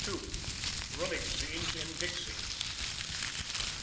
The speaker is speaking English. THRILLING SCENES IN DIXIE.